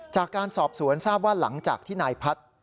จากการสอบสวนทราบว่าหลังจากที่นายพัฒน์